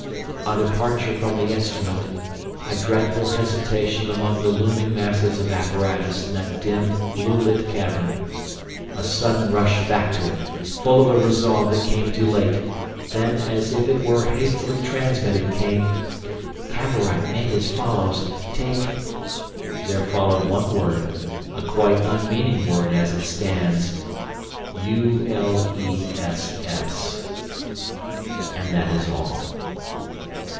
A departure from the instrument—a dreadful hesitation among the looming masses of apparatus in that dim, blue lit cavern—a sudden rush back to it, full of a resolve that came too late. Then, as if it were hastily transmitted came: "Cavorite made as follows: take—" There followed one word, a quite unmeaning word as it stands: "uless." And that is all.